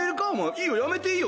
いいよやめていいよ